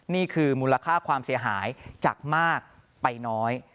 นี่คือมูลค่าความเสียหายจากมากไปน้อย